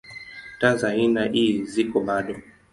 Taa za aina ii ziko bado.